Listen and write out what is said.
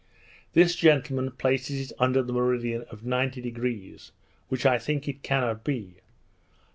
This gentleman places it under the meridian of 90°, where I think it cannot be; for M.